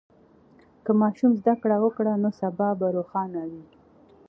که ماشوم زده کړه وکړي، نو سبا به روښانه وي.